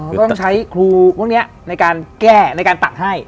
ก็ต้องใช้ครูพวกนี้ในการแก้ในการตัดให้